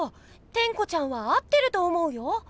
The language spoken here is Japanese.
テンコちゃんは合ってると思うよ。